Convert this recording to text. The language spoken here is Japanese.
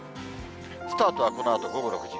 スタートはこのあと午後６時。